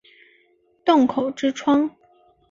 洞口之窗